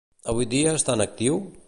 Avui dia està en actiu?